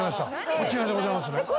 こちらでございますね。